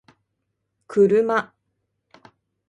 kuruma